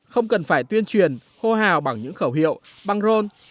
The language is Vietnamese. không cần phải tuyên truyền hô hào bằng những khẩu hiệu băng rôn